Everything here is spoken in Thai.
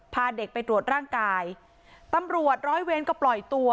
พาเด็กไปตรวจร่างกายตำรวจร้อยเวรก็ปล่อยตัว